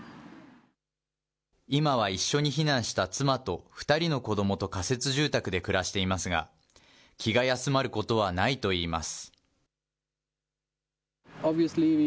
今は一緒に避難した妻と２人の子どもと仮設住宅で暮らしていますが、気が休まることはないといいます。